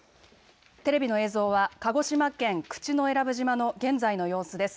テレビの映像は鹿児島県口永良部島の現在の様子です。